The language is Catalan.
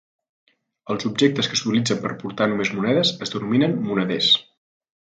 Els objectes que s'utilitzen per portar només monedes es denominen moneders.